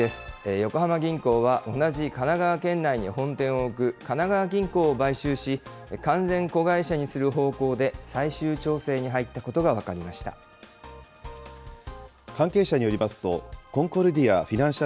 横浜銀行は同じ神奈川県内に本店を置く神奈川銀行を買収し、完全子会社にする方向で最終調整に入ったことが分かりました。